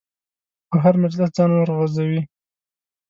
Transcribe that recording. په هر مجلس ځان ورغورځوي.